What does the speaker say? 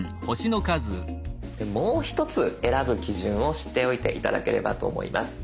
もう一つ選ぶ基準を知っておいて頂ければと思います。